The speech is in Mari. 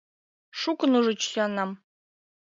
Шукын ужыч сӱаннам.